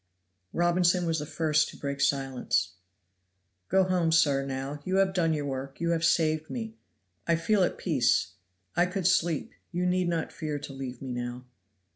Robinson was the first to break silence. "Go home, sir, now; you have done your work, you have saved me. I feel at peace. I could sleep. You need not fear to leave me now."